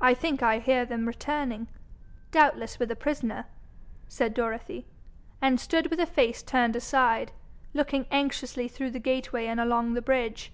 'I think I hear them returning, doubtless with a prisoner,' said Dorothy, and stood with her face turned aside, looking anxiously through the gateway and along the bridge.